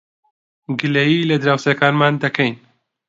گلەیی لە دراوسێکانمان دەکەین.